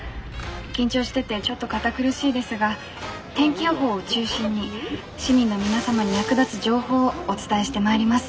緊張しててちょっと堅苦しいですが天気予報を中心に市民の皆様に役立つ情報をお伝えしてまいります。